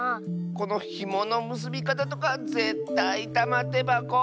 このひものむすびかたとかぜったいたまてばこ。